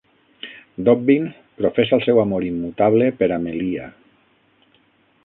Dobbin professa el seu amor immutable per Amelia.